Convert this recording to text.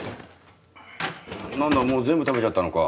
何だもう全部食べちゃったのか？